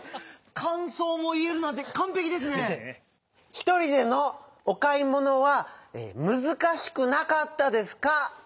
一人でのおかいものはむずかしくなかったですか？